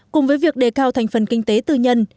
cùng với việc đề cao thành phần kinh tế tư nhân